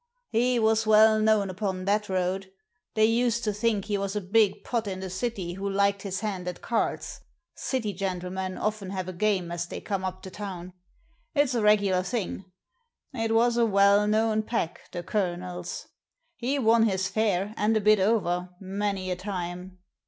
He was well known upon that road. They used to think he was a big pot in the City who liked his hand at cards. City gentlemen often have a game as they come up to town. If s a regular thing. It was a well known pack, the Colonel's. He won his fare, and a bit over, many a time."